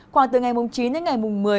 khoảng từ ngày chín đến ngày mùng một mươi